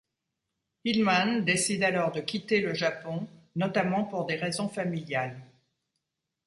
Hillman décide alors de quitter le Japon, notamment pour des raisons familiales.